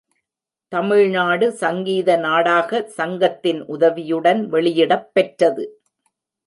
தமிழ்நாடு சங்கீத நாடக சங்கத்தின் உதவியுடன் வெளியிடப் பெற்றது.